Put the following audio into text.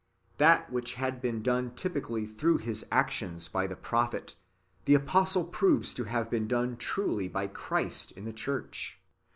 ^ That which had been done typically through his actions by the prophet, the apostle proves to have been done truly by Christ in the church.